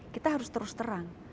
kita harus terus terang